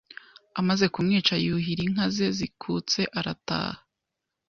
Amaze kumwica yuhira inka ze zikutse arataha